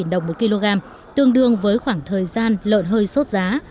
tám mươi ba đồng một kg tương đương với khoảng thời gian lợn hơi sốt giá